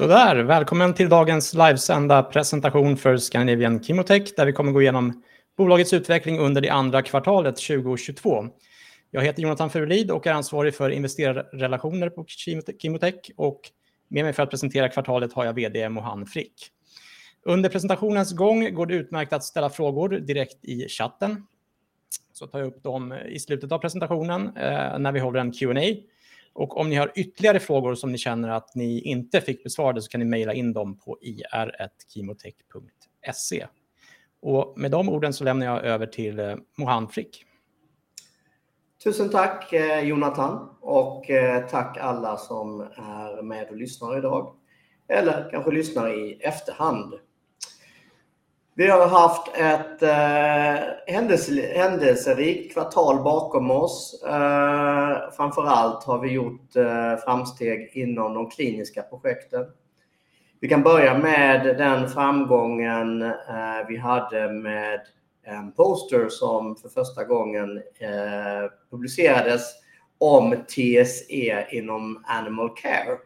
Välkommen till dagens livesända presentation för Scandinavian ChemoTech, där vi kommer gå igenom bolagets utveckling under det andra kvartalet 2022. Jag heter Jonathan Furelid och är ansvarig för investerarrelationer på ChemoTech och med mig för att presentera kvartalet har jag vd Mohan Frick. Under presentationens gång går det utmärkt att ställa frågor direkt i chatten. Tar jag upp dem i slutet av presentationen, när vi har den Q&A. Om ni har ytterligare frågor som ni känner att ni inte fick besvarade så kan ni mejla in dem på ir@chemotech.se. Med de orden så lämnar jag över till Mohan Frick. Tusen tack, Jonathan och tack alla som är med och lyssnar i dag. Eller kanske lyssnar i efterhand. Vi har haft ett händelserikt kvartal bakom oss. Framför allt har vi gjort framsteg inom de kliniska projekten. Vi kan börja med den framgången vi hade med en poster som för första gången publicerades om TSE inom Animal Care.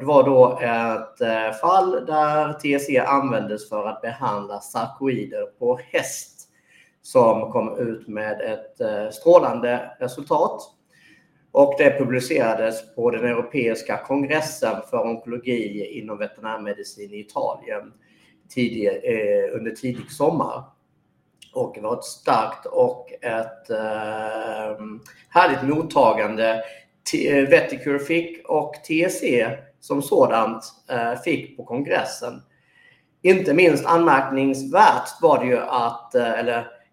Det var då ett fall där TSE användes för att behandla sarkoid på häst som kom ut med ett strålande resultat. Det publicerades på den europeiska kongressen för onkologi inom veterinärmedicin i Italien tidig under tidig sommar. Det var ett starkt och ett härligt mottagande Vetiqure fick och TSE som sådant fick på kongressen.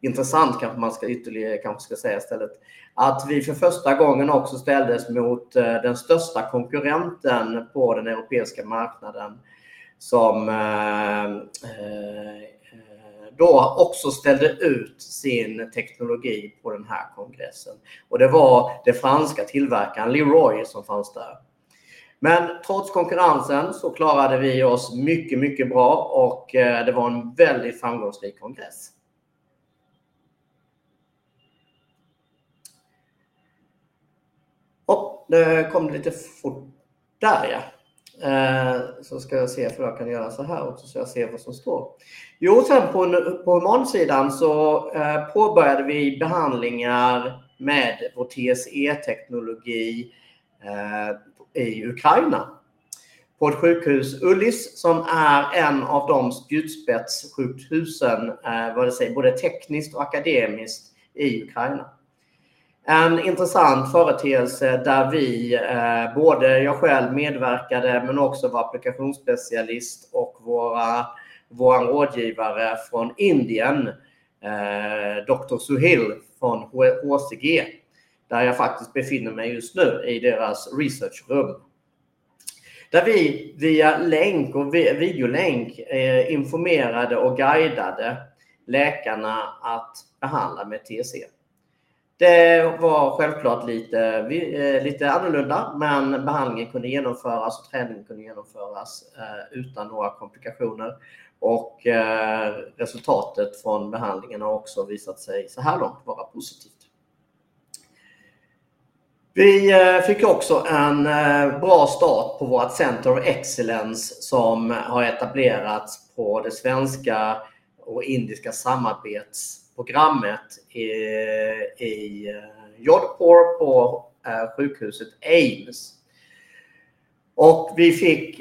Intressant, kanske man ska säga istället, att vi för första gången också ställdes mot den största konkurrenten på den europeiska marknaden som då också ställde ut sin teknologi på den här kongressen. Det var den franska tillverkaren Leroy som fanns där. Trots konkurrensen så klarade vi oss mycket bra och det var en väldigt framgångsrik kongress. På humansidan påbörjade vi behandlingar med vårt TSE-teknologi i Ukraina. På ett sjukhus Ullis, som är en av de spjutspetssjukhusen, vad det säger, både tekniskt och akademiskt i Ukraina. En intressant företeelse där vi både jag själv medverkade, men också vår applikationsspecialist och våran rådgivare från Indien, doktor Suhail från HCG, där jag faktiskt befinner mig just nu i deras research-rum. Där vi via länk och videolänk informerade och guidade läkarna att behandla med TSE. Det var självklart lite annorlunda, men behandlingen kunde genomföras och träningen kunde genomföras utan några komplikationer. Resultatet från behandlingen har också visat sig såhär långt vara positivt. Vi fick också en bra start på vårt Center of Excellence som har etablerats på det svenska och indiska samarbetsprogrammet i Jodhpur på sjukhuset AIIMS. Vi fick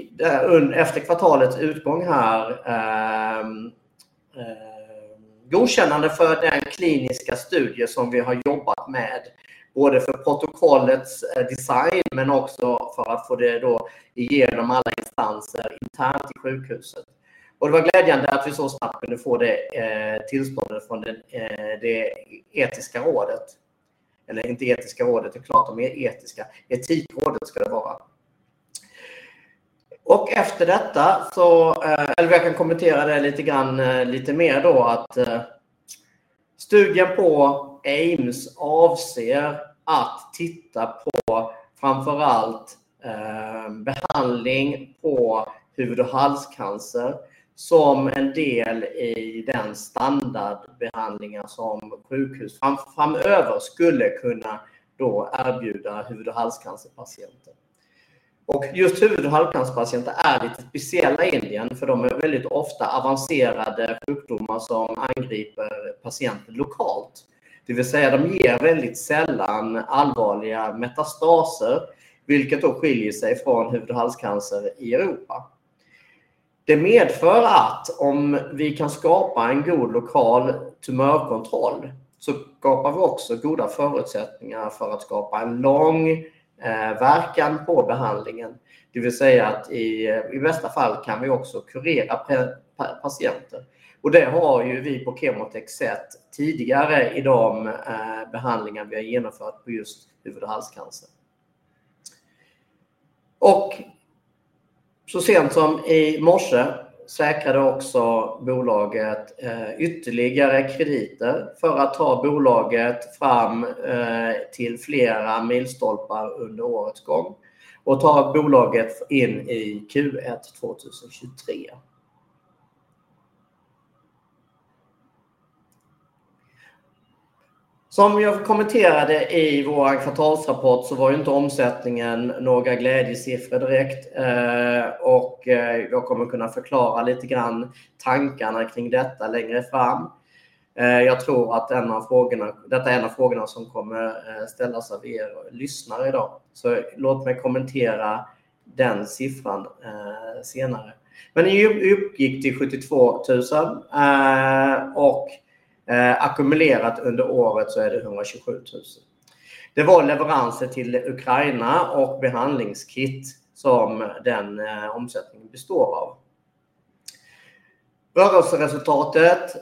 efter kvartalets utgång här godkännande för den kliniska studie som vi har jobbat med, både för protokollets design men också för att få det då igenom alla instanser internt i sjukhuset. Det var glädjande att vi så snabbt kunde få det tillståndet från det etiska rådet. Eller inte etiska rådet, det är klart de är etiska. Etikrådet ska det vara. Efter detta så, eller jag kan kommentera det lite grann, lite mer då att studien på AIIMS avser att titta på framför allt behandling på hud- och halscancer som en del i den standardbehandlingen som sjukhus framöver skulle kunna då erbjuda hud- och halscancerpatienter. Just hud- och halscancerpatienter är lite speciella i Indien för de är väldigt ofta avancerade sjukdomar som angriper patienten lokalt. Det vill säga de ger väldigt sällan allvarliga metastaser, vilket då skiljer sig från hud- och halscancer i Europa. Det medför att om vi kan skapa en god lokal tumörkontroll så skapar vi också goda förutsättningar för att skapa en lång verkan på behandlingen. Det vill säga att i värsta fall kan vi också kurera patienter. Det har ju vi på ChemoTech sett tidigare i de behandlingar vi har genomfört på just hud- och halscancer. Så sent som i morse säkrade också bolaget ytterligare krediter för att ta bolaget fram till flera milstolpar under årets gång och ta bolaget in i Q1 2023. Som jag kommenterade i vår kvartalsrapport så var ju inte omsättningen några glädjesiffror direkt. Jag kommer kunna förklara lite grann tankarna kring detta längre fram. Jag tror att en av frågorna, detta är en av frågorna som kommer ställas av er lyssnare i dag. Låt mig kommentera den siffran senare. Den uppgick till 72,000 och ackumulerat under året så är det 127,000. Det var leveranser till Ukraina och behandlingskit som den omsättningen består av. Rörelseresultatet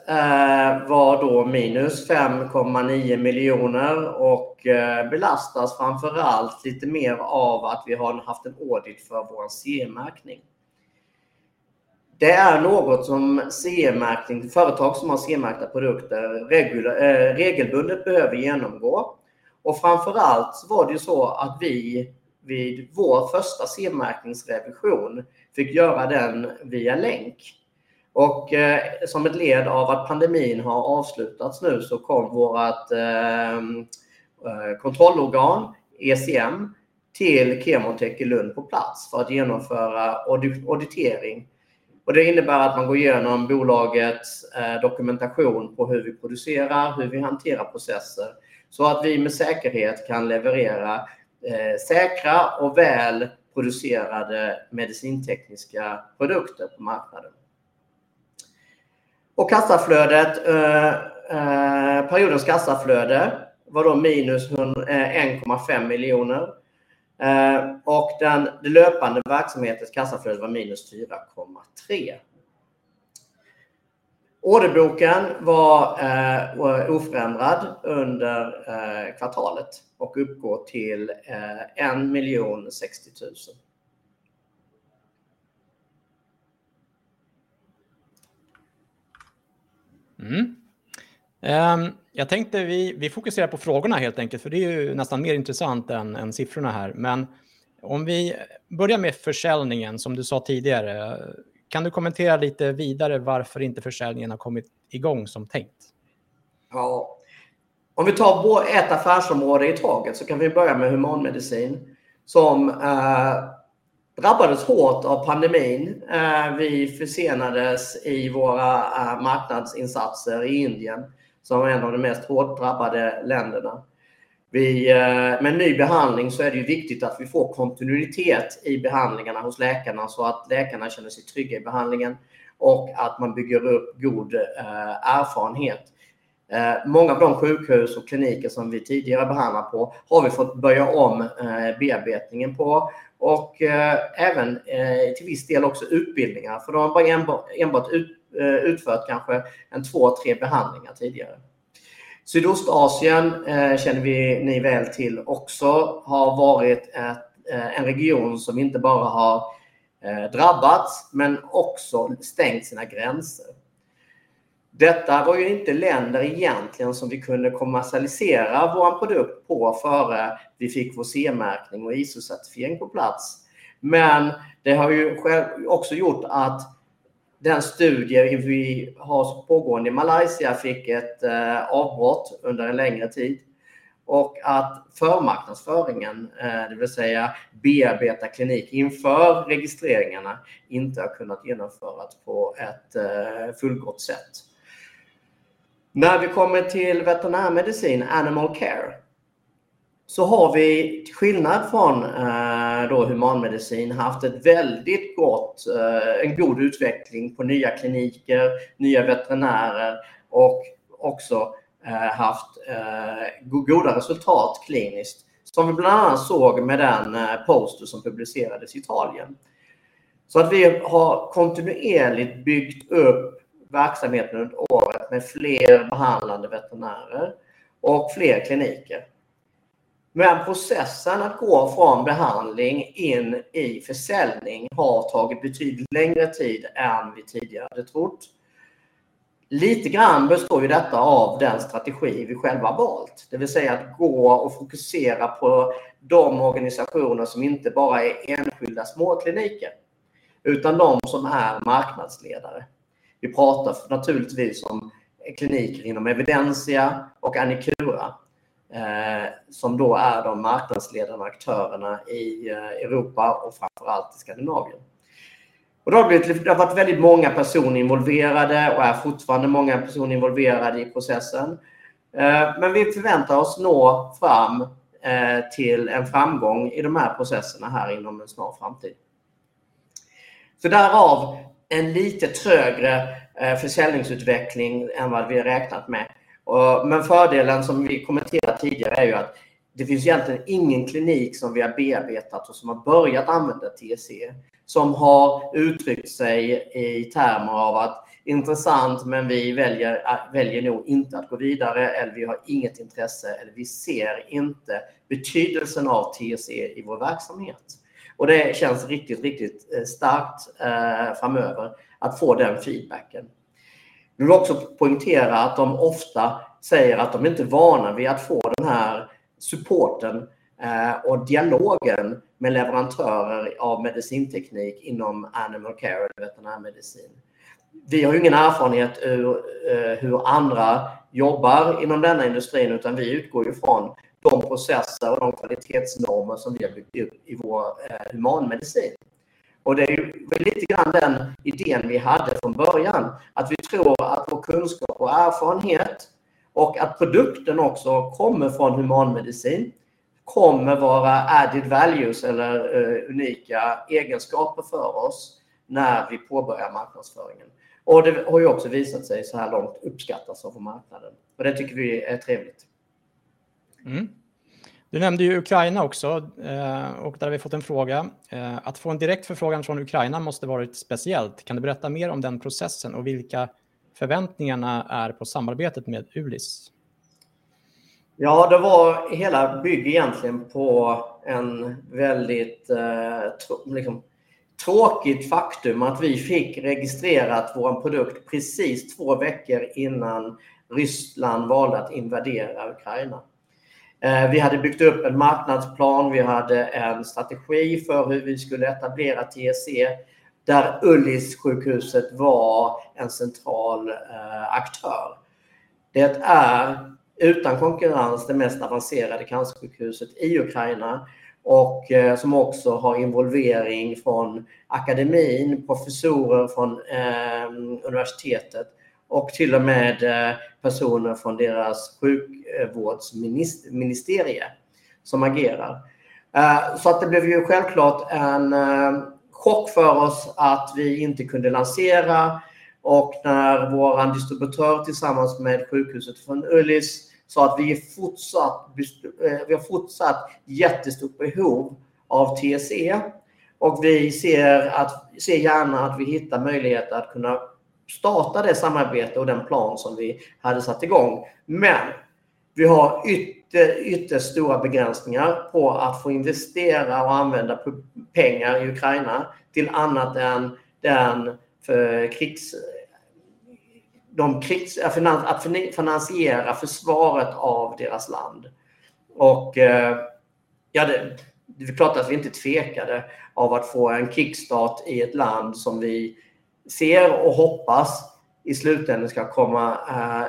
var då -5.9 miljoner och belastas framför allt lite mer av att vi har haft en audit för vår CE-märkning. Det är något som CE-märkning, företag som har CE-märkta produkter, regelbundet behöver genomgå. Framför allt så var det ju så att vi vid vår första CE-märkningsrevision fick göra den via länk. Som ett led av att pandemin har avslutats nu så kom vårt kontrollorgan, ECM, till ChemoTech i Lund på plats för att genomföra auditering. Det innebär att man går igenom bolagets dokumentation på hur vi producerar, hur vi hanterar processer, så att vi med säkerhet kan leverera säkra och väl producerade medicintekniska produkter på marknaden. Kassaflödet, periodens kassaflöde var då -101.5 miljoner. Det löpande verksamhetens kassaflöde var -4.3. Orderboken var oförändrad under kvartalet och uppgår till 1,060,000. Jag tänkte vi fokuserar på frågorna helt enkelt, för det är ju nästan mer intressant än siffrorna här. Om vi börjar med försäljningen som du sa tidigare, kan du kommentera lite vidare varför inte försäljningen har kommit i gång som tänkt? Ja, om vi tar både ett affärsområde i taget så kan vi börja med humanmedicin som drabbades hårt av pandemin. Vi försenades i våra marknadsinsatser i Indien, som var en av de mest hårt drabbade länderna. Med ny behandling så är det ju viktigt att vi får kontinuitet i behandlingarna hos läkarna så att läkarna känner sig trygga i behandlingen och att man bygger upp god erfarenhet. Många av de sjukhus och kliniker som vi tidigare behandlat på har vi fått börja om bearbetningen på och även till viss del också utbildningar. För de har bara enbart utfört kanske 1, 2, 3 behandlingar tidigare. Sydostasien känner vi ni väl till också har varit en region som inte bara har drabbats men också stängt sina gränser. Detta var ju inte länder egentligen som vi kunde kommersialisera vår produkt på före vi fick vår CE-märkning och ISO-certifiering på plats. Det har ju också gjort att den studie vi har pågående i Malaysia fick ett avbrott under en längre tid och att förmarknadsföringen, det vill säga bearbeta klinik inför registreringarna, inte har kunnat genomföras på ett fullgott sätt. När vi kommer till veterinärmedicin, Animal Care, så har vi till skillnad från då humanmedicin haft en god utveckling på nya kliniker, nya veterinärer och också haft goda resultat kliniskt. Som vi bland annat såg med den poster som publicerades i Italien. Att vi har kontinuerligt byggt upp verksamheten under året med fler behandlande veterinärer och fler kliniker. Processen att gå från behandling in i försäljning har tagit betydligt längre tid än vi tidigare hade trott. Lite grann består ju detta av den strategi vi själva valt. Det vill säga att gå och fokusera på de organisationer som inte bara är enskilda små kliniker, utan de som är marknadsledare. Vi pratar naturligtvis om kliniker inom Evidensia och AniCura, som då är de marknadsledande aktörerna i Europa och framför allt i Skandinavien. Det har varit väldigt många personer involverade och är fortfarande många personer involverade i processen. Vi förväntar oss nå fram till en framgång i de här processerna här inom en snar framtid. Därav en lite trögare försäljningsutveckling än vad vi räknat med. Fördelen som vi kommenterat tidigare är ju att det finns egentligen ingen klinik som vi har bearbetat och som har börjat använda TSE som har uttryckt sig i termer av att intressant, men vi väljer nog inte att gå vidare eller vi har inget intresse, eller vi ser inte betydelsen av TSE i vår verksamhet. Det känns riktigt starkt framöver att få den feedbacken. Vill också poängtera att de ofta säger att de inte är vana vid att få den här typen supporten och dialogen med leverantörer av medicinteknik inom Animal Care eller veterinärmedicin. Vi har ju ingen erfarenhet av hur andra jobbar inom denna industrin, utan vi utgår ju från de processer och de kvalitetsnormer som vi har byggt upp i vår humanmedicin. Det är ju lite grann den idén vi hade från början. Att vi tror att vår kunskap och erfarenhet och att produkten också kommer från humanmedicin, kommer vara added values eller unika egenskaper för oss när vi påbörjar marknadsföringen. Det har ju också visat sig så här långt uppskattas av på marknaden. Det tycker vi är trevligt. Du nämnde ju Ukraina också och där har vi fått en fråga. Att få en direkt förfrågan från Ukraina måste varit speciellt. Kan du berätta mer om den processen och vilka förväntningarna är på samarbetet med Ulis? Hela bygger egentligen på en väldigt, liksom, tråkigt faktum att vi fick registrerat vår produkt precis två veckor innan Ryssland valde att invadera Ukraina. Vi hade byggt upp en marknadsplan. Vi hade en strategi för hur vi skulle etablera TSE, där Ulissjukhuset var en central aktör. Det är utan konkurrens det mest avancerade cancersjukhuset i Ukraina och som också har involvering från akademin, professorer från universitetet och till och med personer från deras sjukvårdsministeriet som agerar. Det blev ju självklart en chock för oss att vi inte kunde lansera. När vår distributör tillsammans med sjukhuset från Ulis sa att vi är fortsatt, vi har fortsatt jättestort behov av TSE. Vi ser gärna att vi hittar möjligheter att kunna starta det samarbete och den plan som vi hade satt igång. Vi har ytterst stora begränsningar på att få investera och använda pengar i Ukraina till annat än att finansiera försvaret av deras land. Ja, det är klart att vi inte tvekade att få en kickstart i ett land som vi ser och hoppas i slutänden ska komma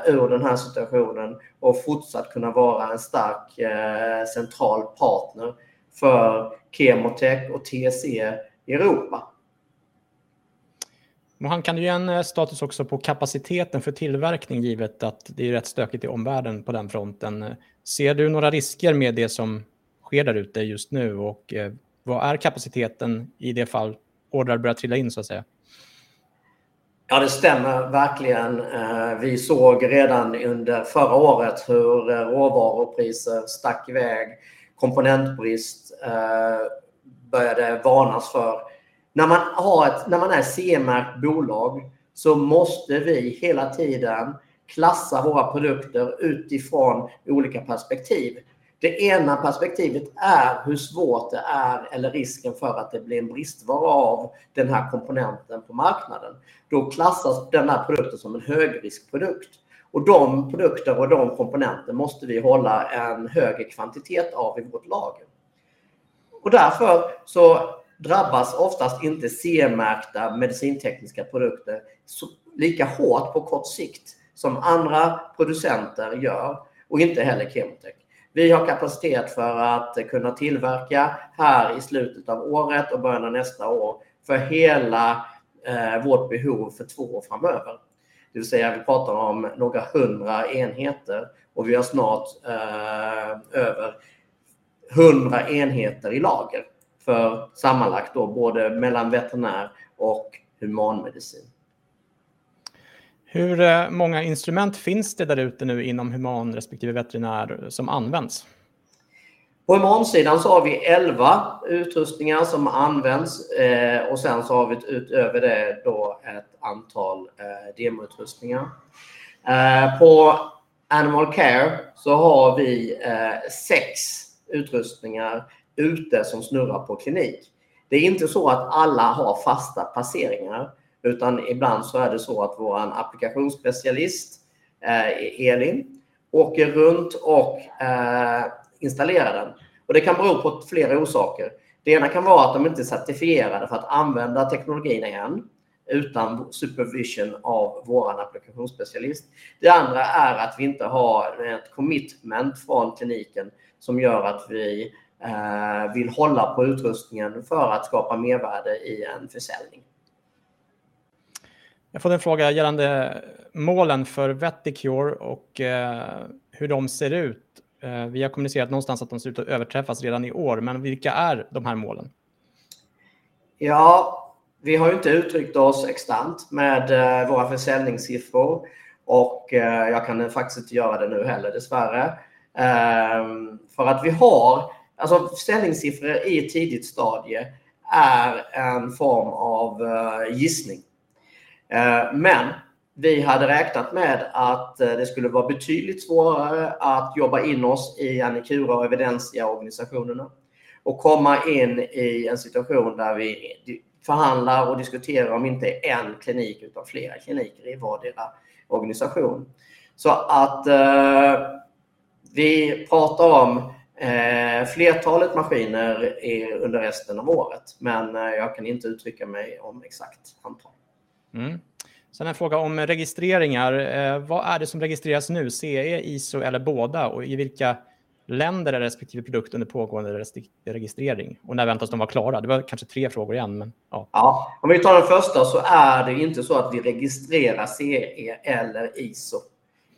ur den här situationen och fortsatt kunna vara en stark central partner för ChemoTech och TSE i Europa. Johan, kan du ge en status också på kapaciteten för tillverkning givet att det är rätt stökigt i omvärlden på den fronten? Ser du några risker med det som sker där ute just nu och vad är kapaciteten i det fall ordrar börjar trilla in så att säga? Ja, det stämmer verkligen. Vi såg redan under förra året hur råvarupriser stack i väg, komponentbrist började varnas för. När man är ett CE-märkt bolag så måste vi hela tiden klassa våra produkter utifrån olika perspektiv. Det ena perspektivet är hur svårt det är eller risken för att det blir en bristvara av den här komponenten på marknaden. Då klassas denna produkten som en högriskprodukt och de produkter och de komponenter måste vi hålla en högre kvantitet av i vårt lager. Därför så drabbas oftast inte CE-märkta medicintekniska produkter så, lika hårt på kort sikt som andra producenter gör och inte heller ChemoTech. Vi har kapacitet för att kunna tillverka här i slutet av året och början av nästa år för hela vårt behov för två år framöver. Det vill säga, vi pratar om några hundra enheter och vi har snart över hundra enheter i lager för sammanlagt då både mellan veterinär och humanmedicin. Hur många instrument finns det där ute nu inom human respektive veterinär som används? På humansidan så har vi 11 utrustningar som används. Sen så har vi utöver det då ett antal demoutrustningar. På Animal Care så har vi 6 utrustningar ute som snurrar på klinik. Det är inte så att alla har fasta placeringar, utan ibland så är det så att vår applikationsspecialist, Elin, åker runt och installerar den. Det kan bero på flera orsaker. Det ena kan vara att de inte är certifierade för att använda teknologin än, utan supervision av vår applikationsspecialist. Det andra är att vi inte har ett commitment från kliniken som gör att vi vill hålla på utrustningen för att skapa mervärde i en försäljning. Jag får en fråga gällande målen för Vetiqure och hur de ser ut. Vi har kommunicerat någonstans att de ser ut att överträffas redan i år, men vilka är de här målen? Ja, vi har ju inte uttryckt oss exakt med våra försäljningssiffror och jag kan faktiskt inte göra det nu heller dessvärre. För att vi har, alltså försäljningssiffror i ett tidigt stadie är en form av gissning. Men vi hade räknat med att det skulle vara betydligt svårare att jobba in oss i AniCura och Evidensia-organisationerna och komma in i en situation där vi förhandlar och diskuterar om inte en klinik utan flera kliniker i vardera organisation. Så att vi pratar om flertalet maskiner under resten av året, men jag kan inte uttrycka mig om exakt antal. En fråga om registreringar. Vad är det som registreras nu? CE, ISO eller båda? Och i vilka länder är respektive produkter pågående registrering? Och när väntas de vara klara? Det var kanske tre frågor i en, men ja. Ja, om vi tar den första så är det inte så att vi registrerar CE eller ISO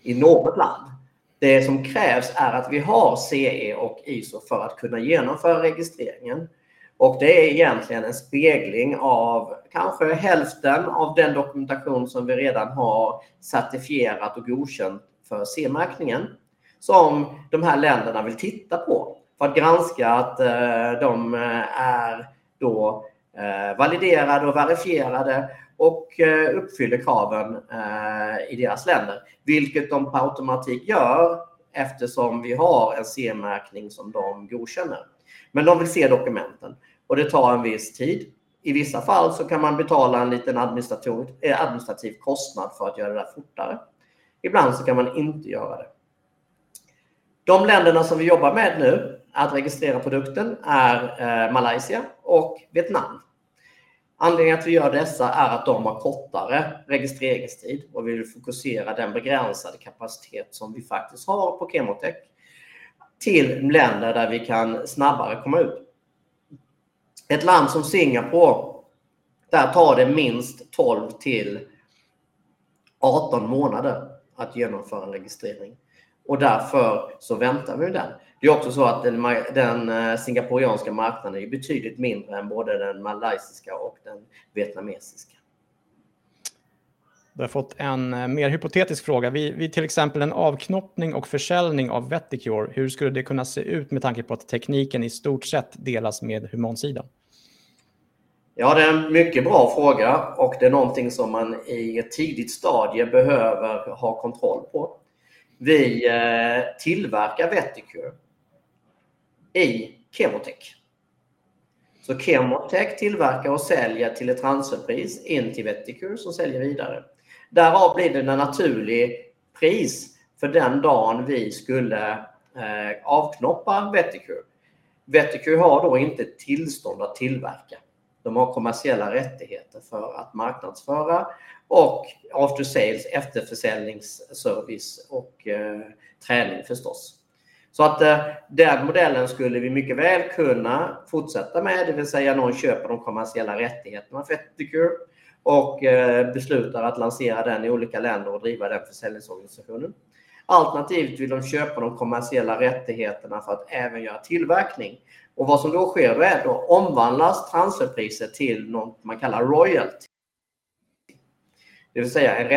i något land. Det som krävs är att vi har CE och ISO för att kunna genomföra registreringen. Det är egentligen en spegling av kanske hälften av den dokumentation som vi redan har certifierat och godkänt för CE-märkningen. Som de här länderna vill titta på för att granska att de är då validerade och verifierade och uppfyller kraven i deras länder, vilket de per automatik gör eftersom vi har en CE-märkning som de godkänner. Men de vill se dokumenten och det tar en viss tid. I vissa fall så kan man betala en liten administrativ kostnad för att göra det där fortare. Ibland så kan man inte göra det. De länderna som vi jobbar med nu att registrera produkten är Malaysia och Vietnam. Anledningen att vi gör dessa är att de har kortare registreringstid och vi vill fokusera den begränsade kapacitet som vi faktiskt har på ChemoTech till länder där vi kan snabbare komma ut. Ett land som Singapore, där tar det minst 12-18 månader att genomföra en registrering och därför så väntar vi med den. Det är också så att den singaporeanska marknaden är betydligt mindre än både den malaysiska och den vietnamesiska. Du har fått en mer hypotetisk fråga. Vi, vid till exempel en avknoppning och försäljning av Vetiqure, hur skulle det kunna se ut med tanke på att tekniken i stort sett delas med humansidan? Ja, det är en mycket bra fråga och det är någonting som man i ett tidigt stadie behöver ha kontroll på. Vi tillverkar Vetiqure i ChemoTech. Så ChemoTech tillverkar och säljer till ett transferpris in till Vetiqure som säljer vidare. Därav blir det ett naturligt pris för den dagen vi skulle avknoppa Vetiqure. Vetiqure har då inte tillstånd att tillverka. De har kommersiella rättigheter för att marknadsföra och after sales, efterförsäljningsservice och träning förstås. Så att den modellen skulle vi mycket väl kunna fortsätta med. Det vill säga någon köper de kommersiella rättigheterna för Vetiqure och beslutar att lansera den i olika länder och driva den försäljningsorganisationen. Alternativt vill de köpa de kommersiella rättigheterna för att även göra tillverkning. Och vad som då sker är att då omvandlas transferpriset till något man kallar royalty. Det vill säga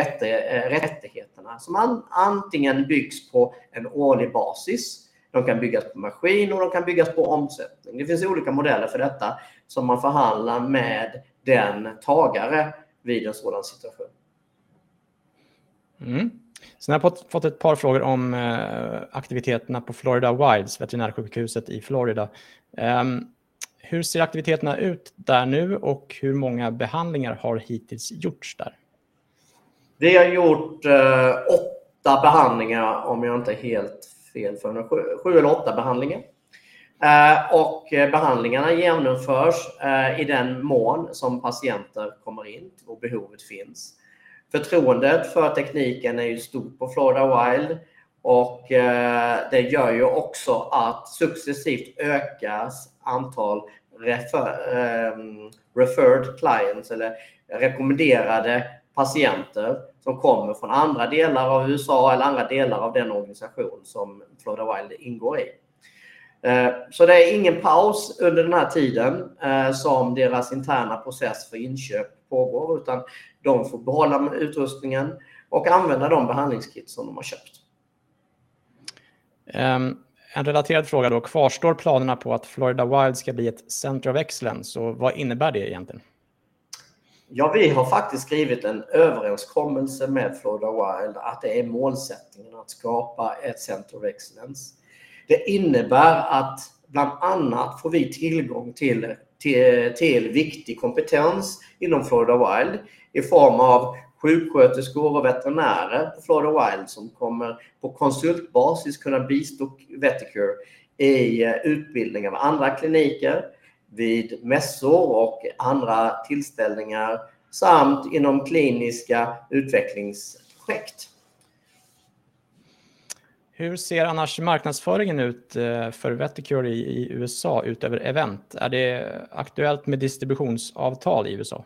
rättigheterna som antingen byggs på en årlig basis. De kan byggas på maskin och de kan byggas på omsättning. Det finns olika modeller för detta som man förhandlar med den tagare vid en sådan situation. Har jag fått ett par frågor om aktiviteterna på FloridaWild, veterinärsjukhuset i Florida. Hur ser aktiviteterna ut där nu och hur många behandlingar har hittills gjorts där? Det är gjort 8 behandlingar om jag inte har helt fel för mig. 7 eller 8 behandlingar. Behandlingarna genomförs i den mån som patienter kommer in och behovet finns. Förtroendet för tekniken är ju stort på FloridaWild och det gör ju också att successivt ökas antal referred clients eller rekommenderade patienter som kommer från andra delar av USA eller andra delar av den organisation som FloridaWild ingår i. Det är ingen paus under den här tiden som deras interna process för inköp pågår, utan de får behålla utrustningen och använda de behandlingskits som de har köpt. En relaterad fråga då. Kvarstår planerna på att FloridaWild ska bli ett Center of Excellence? Och vad innebär det egentligen? Vi har faktiskt skrivit en överenskommelse med FloridaWild att det är målsättningen att skapa ett Center of Excellence. Det innebär att bland annat får vi tillgång till viktig kompetens inom FloridaWild i form av sjuksköterskor och veterinärer på FloridaWild som kommer på konsultbasis kunna bistå Vetiqure i utbildning av andra kliniker vid mässor och andra tillställningar samt inom kliniska utvecklingsprojekt. Hur ser annars marknadsföringen ut för Vetiqure i USA utöver event? Är det aktuellt med distributionsavtal i USA?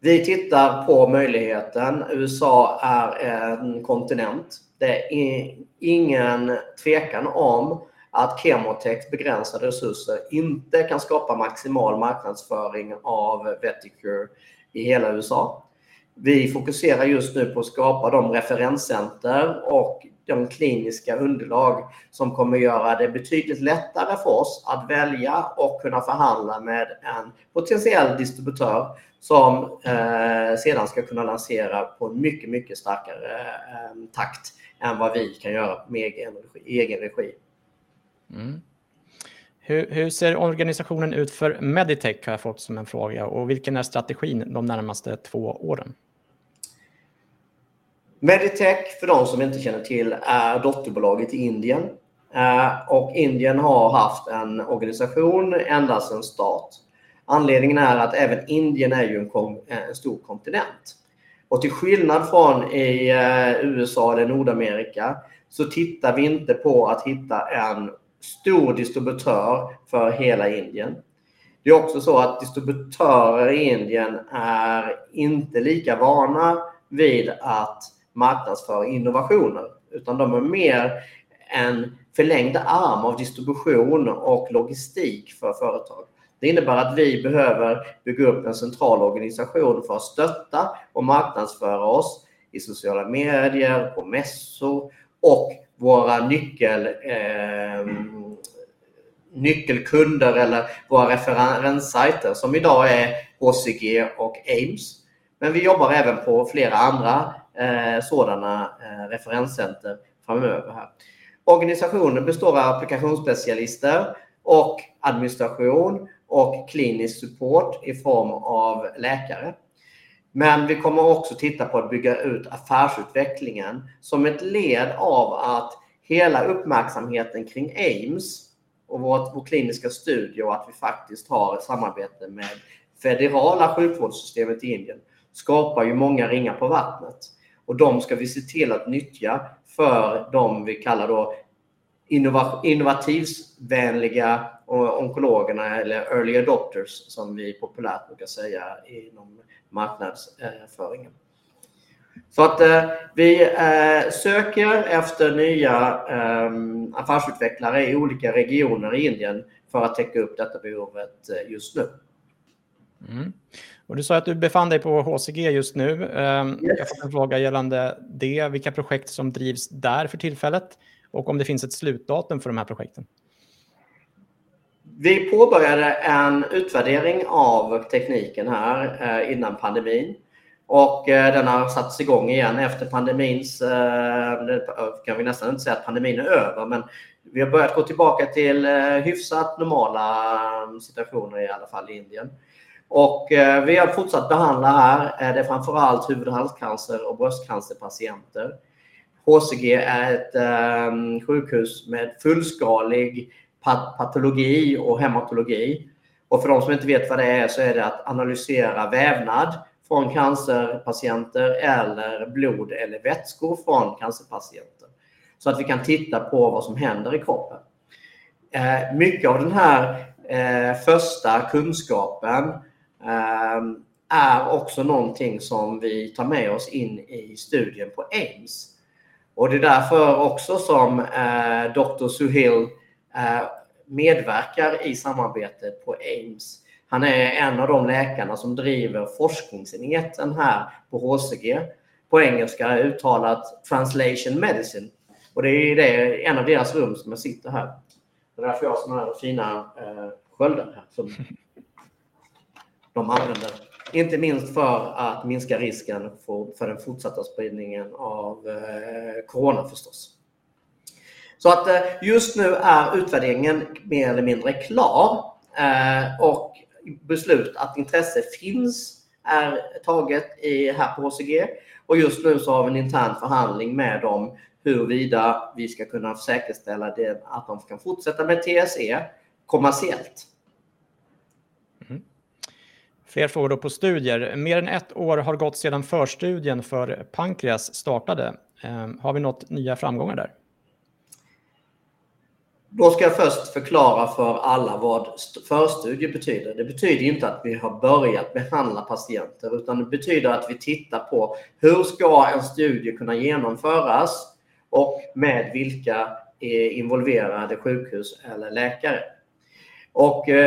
Vi tittar på möjligheten. USA är en kontinent. Det är ingen tvekan om att ChemoTechs begränsade resurser inte kan skapa maximal marknadsföring av Vetiqure i hela USA. Vi fokuserar just nu på att skapa de referenscenter och de kliniska underlag som kommer göra det betydligt lättare för oss att välja och kunna förhandla med en potentiell distributör som sedan ska kunna lansera på en mycket starkare takt än vad vi kan göra med egen regi, i egen regi. Hur ser organisationen ut för Scandinavian Meditech? Har jag fått som en fråga och vilken är strategin de närmaste 2 åren? Meditech för de som inte känner till är dotterbolaget i Indien. Indien har haft en organisation ända sen start. Anledningen är att även Indien är ju en stor kontinent. Till skillnad från i USA eller Nordamerika så tittar vi inte på att hitta en stor distributör för hela Indien. Det är också så att distributörer i Indien är inte lika vana vid att marknadsföra innovationer, utan de är mer en förlängd arm av distribution och logistik för företag. Det innebär att vi behöver bygga upp en central organisation för att stötta och marknadsföra oss i sociala medier, på mässor och våra nyckelkunder eller våra referenssajter som i dag är HCG och AIIMS. Vi jobbar även på flera andra, sådana referenscenter framöver här. Organisationen består av applikationsspecialister och administration och klinisk support i form av läkare. Vi kommer också titta på att bygga ut affärsutvecklingen som ett led av att hela uppmärksamheten kring AIIMS och vår kliniska studie och att vi faktiskt har ett samarbete med federala sjukvårdssystemet i Indien skapar ju många ringar på vattnet och de ska vi se till att nyttja för de vi kallar då innovationsvänliga onkologerna eller early adopters som vi populärt brukar säga inom marknadsföringen. Vi söker efter nya affärsutvecklare i olika regioner i Indien för att täcka upp detta behovet just nu. Du sa att du befann dig på HCG just nu. Jag har fått en fråga gällande det, vilka projekt som drivs där för tillfället och om det finns ett slutdatum för de här projekten. Vi påbörjade en utvärdering av tekniken här innan pandemin och denna har satts i gång igen efter pandemins, kan vi nästan inte säga att pandemin är över, men vi har börjat gå tillbaka till hyfsat normala situationer, i alla fall i Indien. Vi har fortsatt behandla här. Det är framför allt huvud- och halscancer- och bröstcancerpatienter. HCG är ett sjukhus med fullskalig patologi och hematologi. För de som inte vet vad det är så är det att analysera vävnad från cancerpatienter eller blod eller vätskor från cancerpatienter. Så att vi kan titta på vad som händer i kroppen. Mycket av den här första kunskapen är också någonting som vi tar med oss in i studien på AIIMS. Det är därför också som Doktor Suhail medverkar i samarbetet på AIIMS. Han är en av de läkarna som driver forskningsenheten här på HCG, på engelska uttalat Translational Medicine. Det är i det, en av deras rum som jag sitter här. Det är därför jag har sådana här fina, sköldar här som de använder. Inte minst för att minska risken för den fortsatta spridningen av Corona förstås. Just nu är utvärderingen mer eller mindre klar, och beslut att intresse finns är taget i, här på HCG. Just nu så har vi en intern förhandling med dem huruvida vi ska kunna säkerställa det att de kan fortsätta med TSE kommersiellt. Fler frågor på studier. Mer än ett år har gått sedan förstudien för pankreas startade. Har vi nått nya framgångar där? Ska jag först förklara för alla vad förstudie betyder. Det betyder inte att vi har börjat behandla patienter, utan det betyder att vi tittar på hur ska en studie kunna genomföras och med vilka involverade sjukhus eller läkare.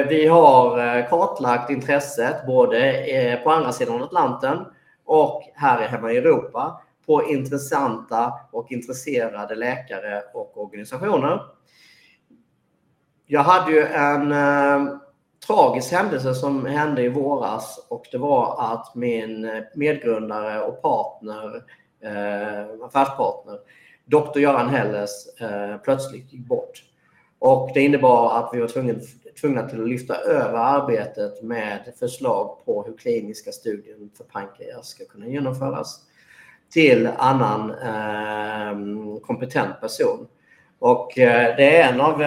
Vi har kartlagt intresset både på andra sidan Atlanten och här hemma i Europa på intressanta och intresserade läkare och organisationer. Jag hade ju en tragisk händelse som hände i våras och det var att min medgrundare och partner, affärspartner, Doktor Göran Hellers, plötsligt gick bort. Det innebar att vi var tvungna till att lyfta över arbetet med förslag på hur kliniska studien för pankreas ska kunna genomföras till annan kompetent person. Det är en av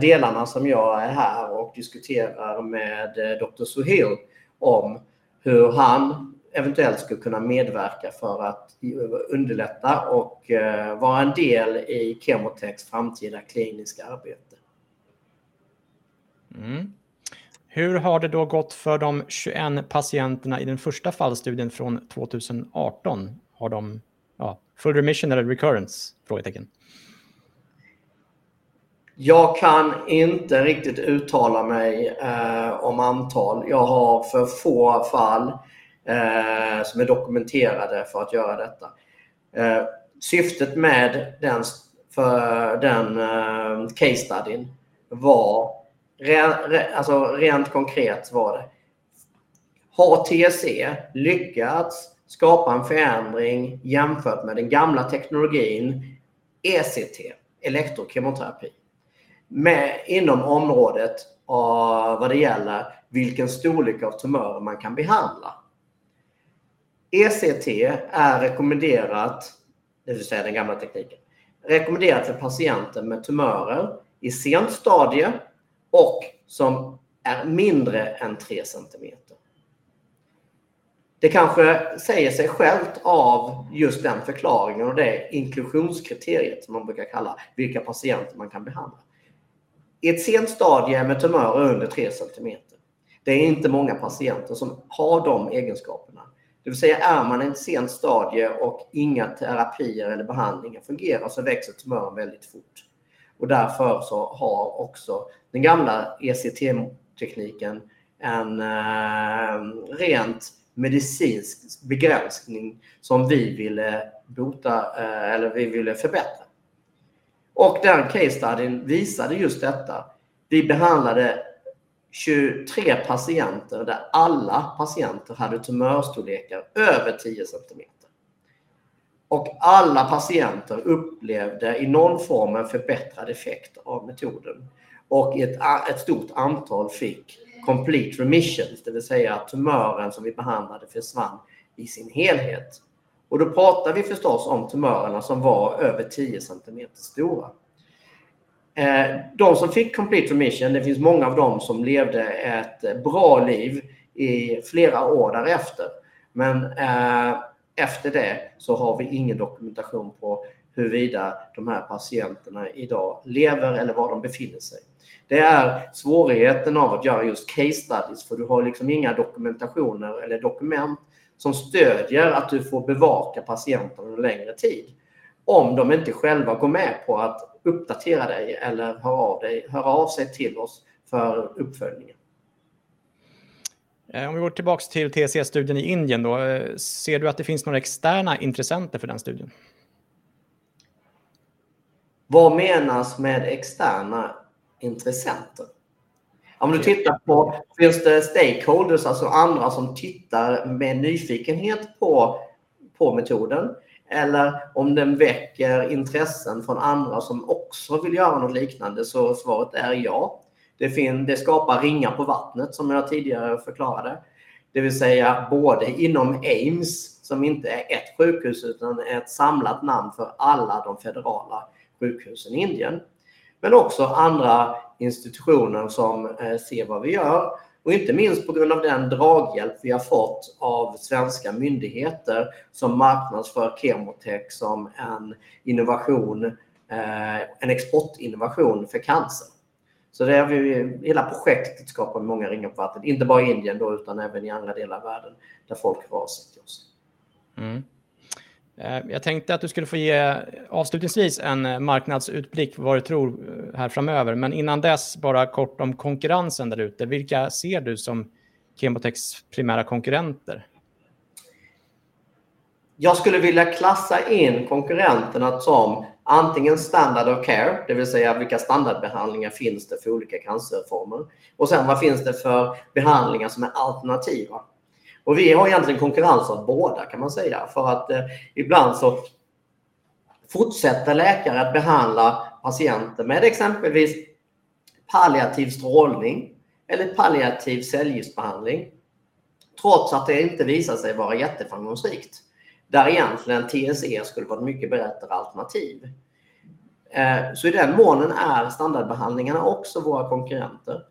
delarna som jag är här och diskuterar med doktor Suhail om hur han eventuellt skulle kunna medverka för att underlätta och vara en del i ChemoTechs framtida kliniska arbete. Hur har det då gått för de 21 patienterna i den första fallstudien från 2018? Har de, ja, full remission eller recurrence, frågetecken? Jag kan inte riktigt uttala mig om antal. Jag har för få fall som är dokumenterade för att göra detta. Syftet med den casestudyn var, alltså rent konkret, var det har TSE lyckats skapa en förändring jämfört med den gamla teknologin ECT, elektrokemoterapi. Men inom området av vad det gäller vilken storlek av tumörer man kan behandla. ECT är rekommenderat, det vill säga den gamla tekniken, rekommenderat för patienter med tumörer i sent stadium och som är mindre än 3 centimeter. Det kanske säger sig självt av just den förklaringen och det inklusionskriteriet som man brukar kalla vilka patienter man kan behandla. I ett sent stadium med tumörer under 3 centimeter. Det är inte många patienter som har de egenskaperna. Det vill säga är man i en sent stadium och inga terapier eller behandlingar fungerar så växer tumören väldigt fort. Och därför så har också den gamla ECT-tekniken en rent medicinsk begränsning som vi ville bota eller vi ville förbättra. Och den case study visade just detta. Vi behandlade 23 patienter där alla patienter hade tumörstorlekar över 10 centimeter. Och alla patienter upplevde i någon form en förbättrad effekt av metoden och ett stort antal fick complete remission. Det vill säga att tumören som vi behandlade försvann i sin helhet. Och då pratar vi förstås om tumörerna som var över 10 centimeter stora. De som fick complete remission, det finns många av dem som levde ett bra liv i flera år därefter. Men efter det så har vi ingen dokumentation på huruvida de här patienterna i dag lever eller var de befinner sig. Det är svårigheten av att göra just case studies för du har liksom inga dokumentationer eller dokument som stödjer att du får bevaka patienten under längre tid. Om de inte själva går med på att uppdatera dig eller hör av dig, hör av sig till oss för uppföljningen. Om vi går tillbaka till TSE-studien i Indien då. Ser du att det finns några externa intressenter för den studien? Vad menas med externa intressenter? Om du tittar på finns det stakeholders, alltså andra som tittar med nyfikenhet på metoden. Eller om den väcker intressen från andra som också vill göra något liknande. Så svaret är ja. Det finns, det skapar ringar på vattnet som jag tidigare förklarade. Det vill säga både inom AIIMS, som inte är ett sjukhus utan ett samlat namn för alla de federala sjukhusen i Indien, men också andra institutioner som ser vad vi gör. Inte minst på grund av den draghjälp vi har fått av svenska myndigheter som marknadsför ChemoTech som en innovation, en exportinnovation för cancer. Så det har vi, hela projektet skapar många ringar på vattnet. Inte bara i Indien då, utan även i andra delar av världen där folk har sett oss. Jag tänkte att du skulle få ge avslutningsvis en marknadsutblick vad du tror här framöver. Innan dess bara kort om konkurrensen där ute. Vilka ser du som ChemoTech's primära konkurrenter? Jag skulle vilja klassa in konkurrenterna som antingen standard of care, det vill säga vilka standardbehandlingar finns det för olika cancerformer. Och sen vad finns det för behandlingar som är alternativa. Och vi har egentligen konkurrens av båda kan man säga. För att ibland så fortsätter läkare att behandla patienter med exempelvis palliativ strålning eller palliativ cellgiftsbehandling, trots att det inte visar sig vara jätteframgångsrikt. Där egentligen TSE skulle vara ett mycket bättre alternativ. Så i den mån är standardbehandlingarna också våra konkurrenter.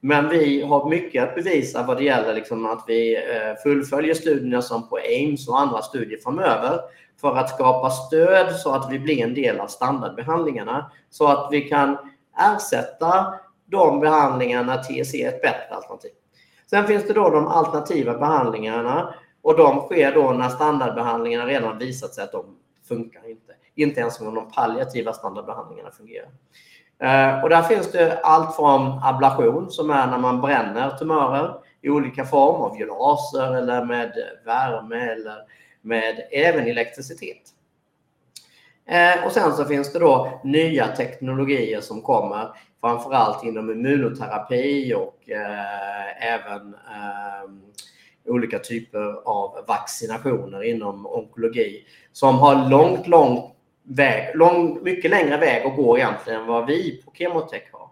Men vi har mycket att bevisa vad det gäller liksom att vi fullföljer studierna som på AIIMS och andra studier framöver för att skapa stöd så att vi blir en del av standardbehandlingarna. Så att vi kan ersätta de behandlingarna. TSE är ett bättre alternativ. Sen finns det då de alternativa behandlingarna och de sker då när standardbehandlingarna redan visat sig att de funkar inte. Inte ens de palliativa standardbehandlingarna fungerar. Där finns det allt från ablation, som är när man bränner tumörer i olika form, av laser eller med värme eller med även elektricitet. Sen så finns det då nya teknologier som kommer, framför allt inom immunoterapi och även olika typer av vaccinationer inom onkologi som har långt väg, lång, mycket längre väg att gå egentligen än vad vi på ChemoTech har.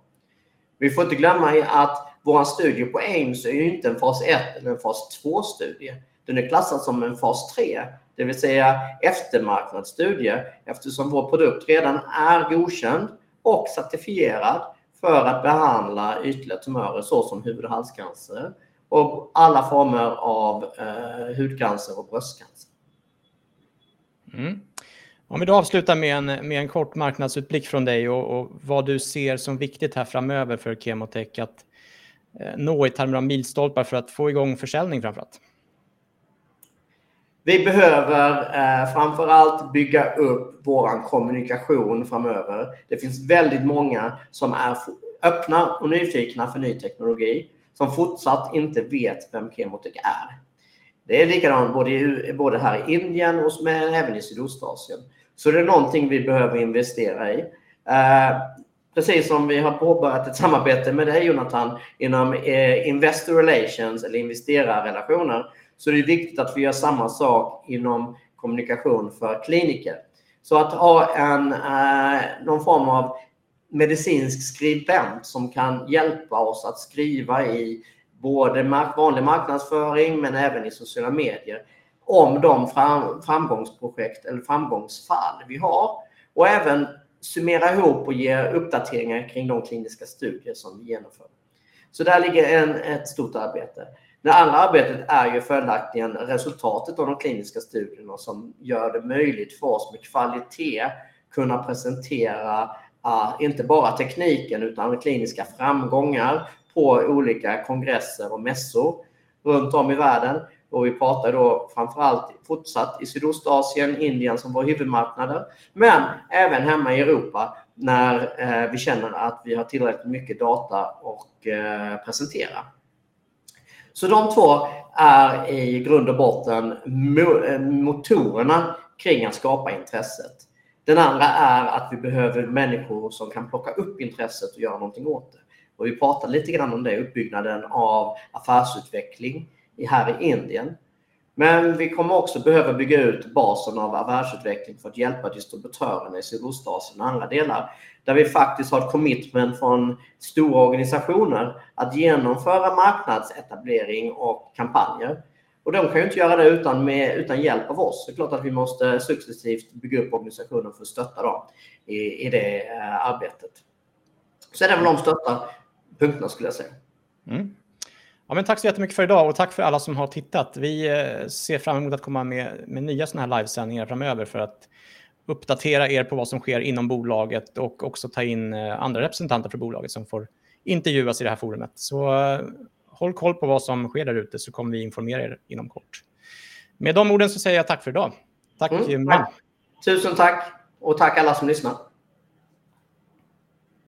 Vi får inte glömma att våran studie på AIIMS är ju inte en fas ett eller en fas två-studie. Den är klassad som en fas tre, det vill säga eftermarknadsstudie, eftersom vår produkt redan är godkänd och certifierad för att behandla ytliga tumörer så som hud- och halscancer och alla former av hudcancer och bröstcancer. Om vi då avslutar med en kort marknadsutblick från dig och vad du ser som viktigt här framöver för ChemoTech att nå i termer av milstolpar för att få i gång försäljning framför allt. Vi behöver framför allt bygga upp våran kommunikation framöver. Det finns väldigt många som är öppna och nyfikna för ny teknologi som fortsatt inte vet vem ChemoTech är. Det är likadant både här i Indien och även i Sydostasien. Det är någonting vi behöver investera i. Precis som vi har påbörjat ett samarbete med dig Jonatan inom investor relations eller investerarrelationer. Det är viktigt att vi gör samma sak inom kommunikation för kliniker. Att ha en någon form av medicinsk skribent som kan hjälpa oss att skriva i både vanlig marknadsföring men även i sociala medier om de framgångsprojekt eller framgångsfall vi har. Även summera ihop och ge uppdateringar kring de kliniska studier som vi genomför. Där ligger ett stort arbete. Det andra arbetet är ju följaktligen resultatet av de kliniska studierna som gör det möjligt för oss med kvalitet kunna presentera, inte bara tekniken utan kliniska framgångar på olika kongresser och mässor runt om i världen. Vi pratar då framför allt fortsatt i Sydostasien, Indien som var huvudmarknader, men även hemma i Europa när vi känner att vi har tillräckligt mycket data och presentera. De två är i grund och botten motorerna kring att skapa intresset. Den andra är att vi behöver människor som kan plocka upp intresset och göra någonting åt det. Vi pratar lite grann om det, uppbyggnaden av affärsutveckling i här i Indien. Vi kommer också behöva bygga ut basen av affärsutveckling för att hjälpa distributören i Sydostasien och andra delar, där vi faktiskt har ett commitment från stora organisationer att genomföra marknadsetablering och kampanjer. De kan ju inte göra det utan hjälp av oss. Det är klart att vi måste successivt bygga upp organisationen för att stötta dem i det arbetet. Det är väl de största punkterna skulle jag säga. Ja, men tack så jättemycket för i dag och tack för alla som har tittat. Vi ser fram emot att komma med nya sådana här livesändningar framöver för att uppdatera er på vad som sker inom bolaget och också ta in andra representanter för bolaget som får intervjuas i det här forumet. Håll koll på vad som sker där ute så kommer vi informera er inom kort. Med de orden säger jag tack för i dag. Tack Jim. Tusen tack och tack alla som lyssnat.